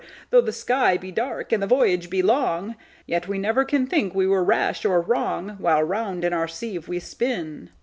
Though the sky be dark, and the voyage be long, Yet we never can think we were rash or wrong, While round in our sieve we spin."